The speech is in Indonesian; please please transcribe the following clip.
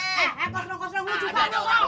eh kosong kosong lu juga mau